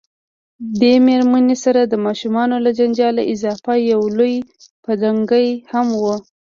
دې میرمنې سره د ماشومانو له جنجاله اضافه یو لوی پنډکی هم و.